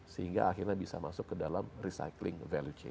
sehingga akhirnya bisa masuk ke dalam recycling value chain